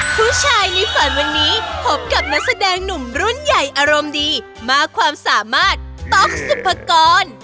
ผู้ชายในฝันวันนี้พบกับนักแสดงหนุ่มรุ่นใหญ่อารมณ์ดีมากความสามารถต๊อกสุภกร